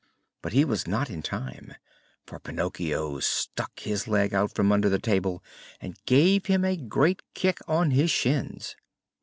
But he was not in time, for Pinocchio stuck his leg out from under the table and gave him a great kick on his shins.